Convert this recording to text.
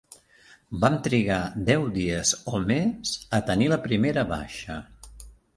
Vam trigar deu dies o més a tenir la primera baixa.